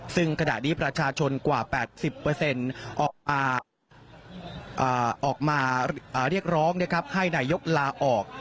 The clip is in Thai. ซึ่งขณะนี้ประชาชนกว่า๘๐ออกมาเรียกร้องให้นายกลาออก